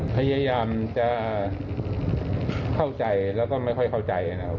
พยายามจะเข้าใจแล้วก็ไม่ค่อยเข้าใจนะครับ